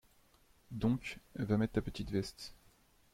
Donc, va mettre ta petite veste.